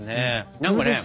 何かね